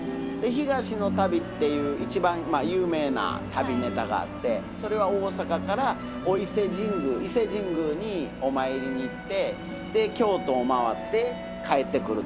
「東の旅」っていう一番有名な旅ネタがあってそれは大阪からお伊勢神宮伊勢神宮にお参りに行って京都を回って帰ってくるっていうお噺なんですけども。